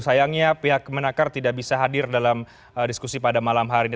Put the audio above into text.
sayangnya pihak kemenakar tidak bisa hadir dalam diskusi pada malam hari ini